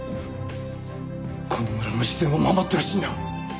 この村の自然を守ってほしいんだ！